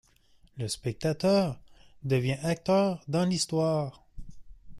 Le spectateur devient acteur dans l’histoire.